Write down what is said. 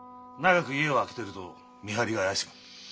長く家を空けてると見張りが怪しむ。